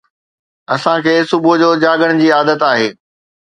اسان کي صبح جو جاڳڻ جي عادت آهي.